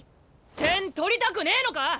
点取りたくねえのか！？